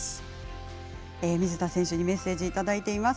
水田選手にメッセージいただいています。